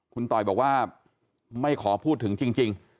คุณต่อยบอกว่าไม่ขอพูดถึงจริง